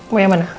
mau yang mana